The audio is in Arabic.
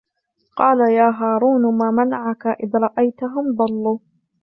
قَالَ يَا هَارُونُ مَا مَنَعَكَ إِذْ رَأَيْتَهُمْ ضَلُّوا